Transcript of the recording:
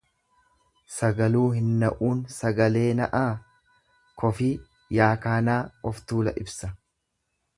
"""Sagaluu hin na'uun sagalee na'aa"" Kofii ykn oftuula ibsa."